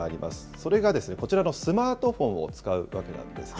それがこちらのスマートフォンを使うわけなんですね。